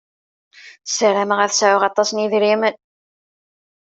Sarameɣ ad sɛuɣ aṭas n yedrimen.